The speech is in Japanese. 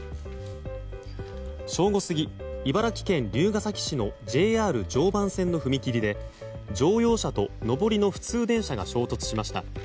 正午過ぎ、茨城県龍ケ崎市のＪＲ常盤線の踏切で乗用車と上りの普通電車が衝突しました。